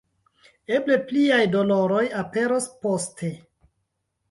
Eble pliaj doloroj aperos poste.